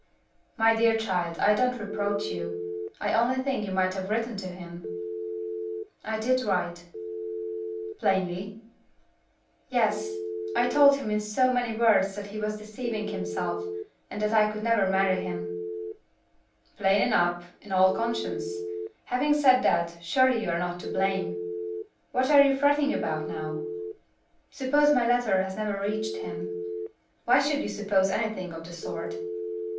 "My dear child, I don't reproach you. I only think you might have written to him." "I did write." "Plainly?" "Yes. I told him in so many words that he was deceiving himself, and that I could never marry him." "Plain enough, in all conscience! Having said that, surely you are not to blame. What are you fretting about now?" "Suppose my letter has never reached him?" "Why should you suppose anything of the sort?"